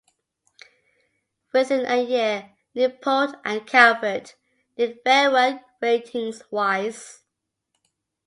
Within a year, Nipote and Calvert did very well ratings wise.